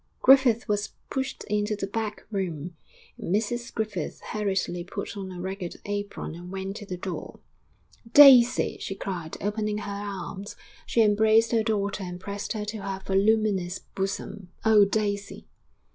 Griffith was pushed into the back room; Mrs Griffith hurriedly put on a ragged apron and went to the door. 'Daisy!' she cried, opening her arms. She embraced her daughter and pressed her to her voluminous bosom. 'Oh, Daisy!'